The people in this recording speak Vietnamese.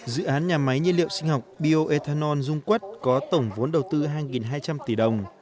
dự án nhà máy nhiên liệu sinh học bio ethanol dung quất có tổng vốn đầu tư hai hai trăm linh tỷ đồng